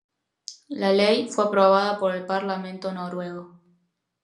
La ley fue aprobada por el parlamento noruego.